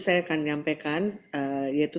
saya akan menyampaikan yaitu